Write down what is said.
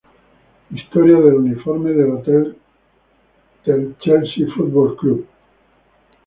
Historia del uniforme del Chelsea Football Club